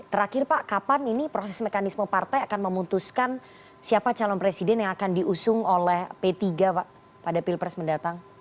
terakhir pak kapan ini proses mekanisme partai akan memutuskan siapa calon presiden yang akan diusung oleh p tiga pak pada pilpres mendatang